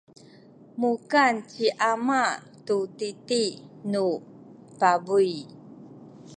mukan ci ama tu titi nu pabuy.